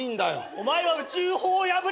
お前は宇宙法を破りこの。